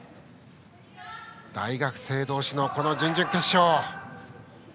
大学生同士の準々決勝。